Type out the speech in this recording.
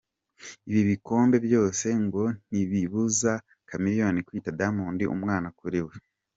Ibi bikombe byose ngo ntibibuza Chameleone kwita Diamond umwana kuri we.